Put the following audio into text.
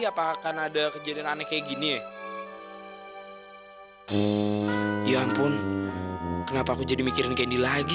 apakah kan ada kejadian aneh kayak gini ya ya ampun kenapa aku jadi mikirin candy lagi